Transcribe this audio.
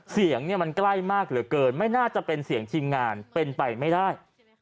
เสียงเนี่ยมันใกล้มากเหลือเกินไม่น่าจะเป็นเสียงทีมงานเป็นไปไม่ได้